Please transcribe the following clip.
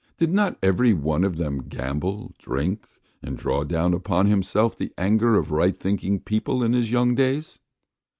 Did not every one of them gamble, drink, and draw down upon himself the anger of right thinking people in his young days?